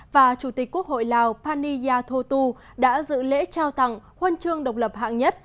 và chủ tịch quốc hội lào paniya thô tu đã dự lễ trao tặng huân chương độc lập hạng nhất